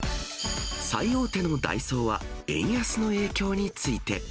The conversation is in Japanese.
最大手のダイソーは、円安の影響について。